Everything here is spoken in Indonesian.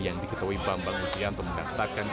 yang diketahui bambang utrianto mengatakan